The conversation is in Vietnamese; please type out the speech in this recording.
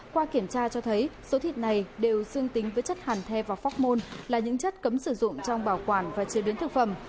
qua kiểm tra cho thấy số thịt này đều dương tính với chất hàn the và phóc môn là những chất cấm sử dụng trong bảo quản và chế biến thực phẩm